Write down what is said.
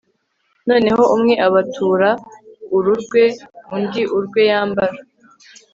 noneho umwe abatura uru rwe, undi urwe yambara